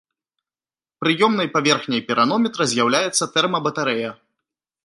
Прыёмнай паверхняй піранометра з'яўляецца тэрмабатарэя.